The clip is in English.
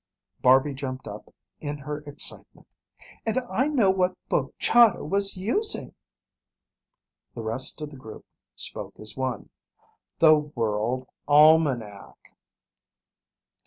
Barby jumped up in her excitement. "And I know what book Chahda was using!" The rest of the group spoke as one. "_The World Almanac!